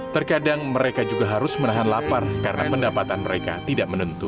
terkadang mereka juga harus menahan lapar karena pendapatan mereka tidak menentu